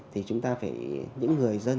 thì chúng ta phải những người dân